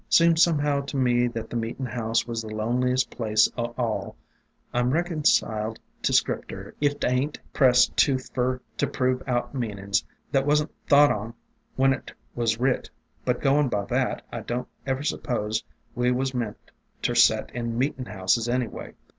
Seems somehow to me that the meetin' house was the loneliest place o' all. I 'm reconciled to Scripter if 't ain't pressed too fer to prove out meanin's that was n't thought on when 't was writ; but goin' by that, I don't ever suppose we was meant ter set in meetin ' houses, anyhow.